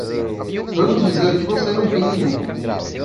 Vamos dizer que você não tem nenhum.